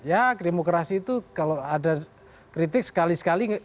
ya demokrasi itu kalau ada kritik sekali sekali